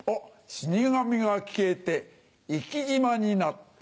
死神が消えてイキ島になった。